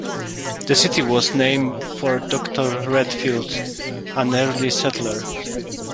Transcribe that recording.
The city was named for Doctor Redfield, an early settler.